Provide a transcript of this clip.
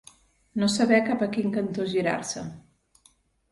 No saber cap a quin cantó girar-se.